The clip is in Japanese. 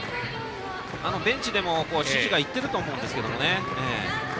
ベンチでも指示がいっていると思うんですけどね。